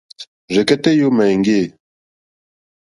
Rzɛ̀kɛ́tɛ́ yǒmà éŋɡê.